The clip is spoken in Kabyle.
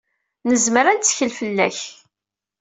Nezmer ad nettkel fell-ak.